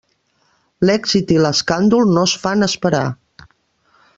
L'èxit i l'escàndol no es fan esperar.